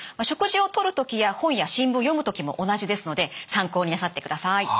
食事をとる時や本や新聞を読む時も同じですので参考になさってください。